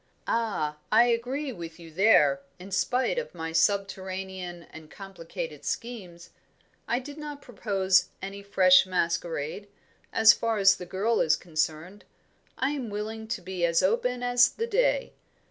"Ah, I agree with you there, in spite of my subterranean and complicated schemes. I did not propose any fresh masquerade, as far as the girl is concerned. I am willing to be as open as the day.